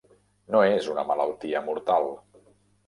No és una malaltia mortal.